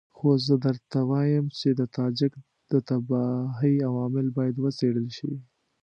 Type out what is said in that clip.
خو زه درته وایم چې د تاجک د تباهۍ عوامل باید وڅېړل شي.